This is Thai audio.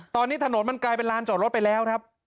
ตอนนี้ถนนมันกลายเป็นลานจอดรถไปแล้วครับ